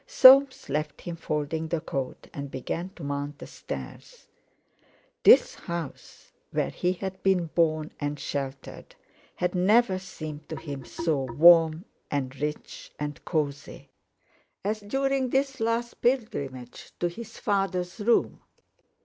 Soames left him folding the coat, and began to mount the stairs. This house, where he had been born and sheltered, had never seemed to him so warm, and rich, and cosy, as during this last pilgrimage to his father's room.